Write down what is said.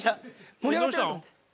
盛り上がってると思って。